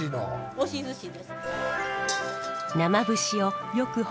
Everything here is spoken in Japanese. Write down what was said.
押しずしです。